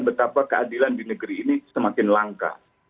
betapa keadilan di negeri ini semakin langka